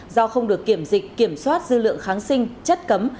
do không được kiểm dịch kiểm soát dư lượng kháng sinh chất cấm